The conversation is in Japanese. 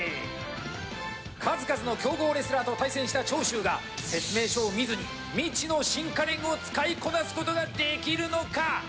数々の強豪レスラーと対戦した長州が説明書を未知の新家電を使いこなすことができるのか。